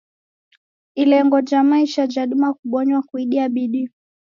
Ilengo ja maisha jadima kubonywa kuidia bidii.